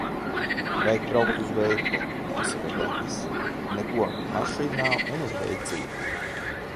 "Vajag braukt uz veikalu," nosaka Gatis. Neko, mašīnā un uz veicīti.